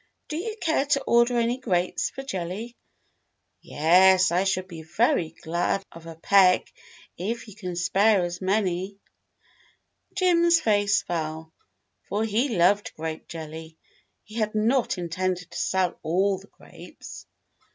"Do you care to order any grapes for jelly .^" "Yes, I should be very glad of a peck, if you can spare as many." Jim's face fell, for he loved grape jelly. He had not intended to sell all the grapes.